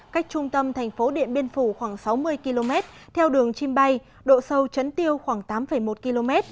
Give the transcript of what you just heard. cách trung tâm thành phố điện biên phủ khoảng sáu mươi km theo đường chim bay độ sâu chấn tiêu khoảng tám một km